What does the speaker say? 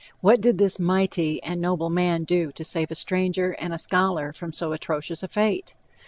What did this mighty and noble man do to save a stranger and a scholar from so atrocious a fate?